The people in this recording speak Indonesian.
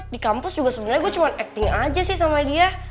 di kampus juga sebenarnya gue cuma acting aja sih sama dia